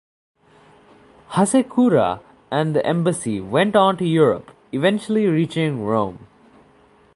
Hasekura and the embassy went on to Europe, eventually reaching Rome.